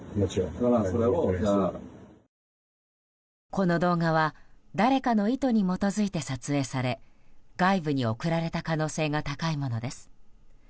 この動画は誰かの意図に基づいて撮影され外部に送られた可能性が高いものです。